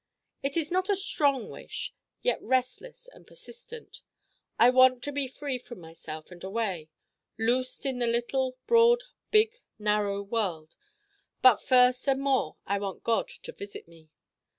It is not a strong wish. Yet restless and persistent. I want to be free from myself and away, loosed in the little broad big narrow World: but first and more I want God to visit me.